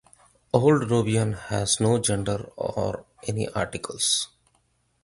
Old Nubian has no gender or any articles.